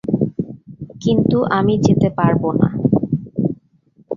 কিন্তু আমি যেতে পারবো না।